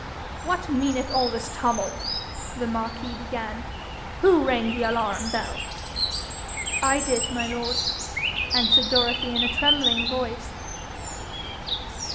'What meaneth all this tumult?' the marquis began. 'Who rang the alarum bell?' 'I did, my lord,' answered Dorothy in a trembling voice.